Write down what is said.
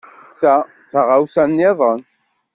Ta d taɣawsa niḍen.